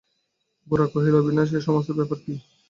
গোরা কহিল, অবিনাশ, এ-সমস্ত ব্যাপার কী!